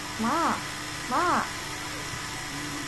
মা, মা!